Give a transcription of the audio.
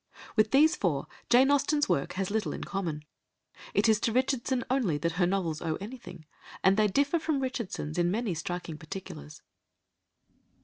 With these four Jane Austen's work has little in common. It is to Richardson only that her novels owe anything, and they differ from Richardson's in many striking particulars.